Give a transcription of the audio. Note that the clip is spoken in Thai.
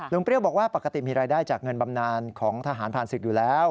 เปรี้ยวบอกว่าปกติมีรายได้จากเงินบำนานของทหารผ่านศึกอยู่แล้ว